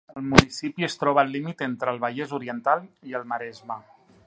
El municipi es troba al límit entre el Vallès Oriental i el Maresme.